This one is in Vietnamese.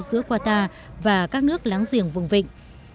giữa qatar và các nước láng giềng vùng vịnh